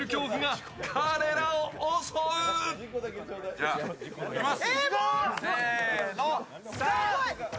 じゃあ、いきます。